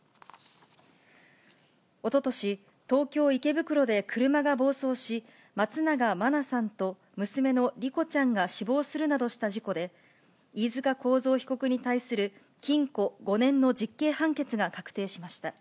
おととし、東京・池袋で車が暴走し、松永真菜さんと娘の莉子ちゃんが死亡するなどした事故で、飯塚幸三被告に対する禁錮５年の実刑判決が確定しました。